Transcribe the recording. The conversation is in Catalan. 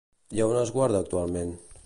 I a on es guarda actualment?